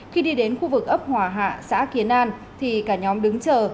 khi đi đến khu vực ấp hòa hạ xã kiến an thì cả nhóm đứng chờ